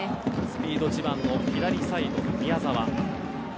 スピード自慢の左サイド、宮澤。